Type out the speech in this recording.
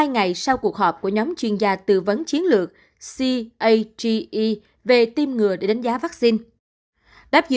hai ngày sau cuộc họp của nhóm chuyên gia tư vấn chiến lược cage về tiêm ngừa để đánh giá vaccine